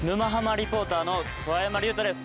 リポーターの桑山隆太です。